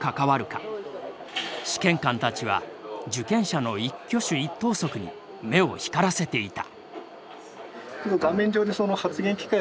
試験官たちは受験者の一挙手一投足に目を光らせていた。